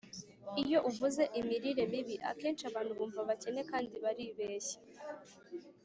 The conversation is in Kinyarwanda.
iyo uvuze imirire mibi, akenshi abantu bumva abakene kandi baribeshya